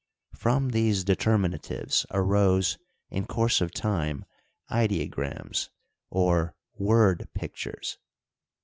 From these determinatives arose in course of time ideograms, or word pictures.